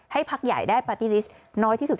พักใหญ่ได้ปาร์ตี้ลิสต์น้อยที่สุด